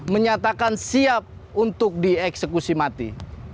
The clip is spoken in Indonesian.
menyatakan siap untuk dieksekusi mati